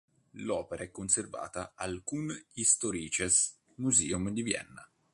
L'opera è conservata al Kunsthistorisches Museum di Vienna.